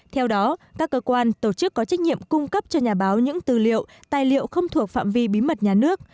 theo đó các cơ quan tổ chức có trách nhiệm cung cấp cho nhà báo những tư liệu tài liệu không thuộc phạm vi bí mật nhà nước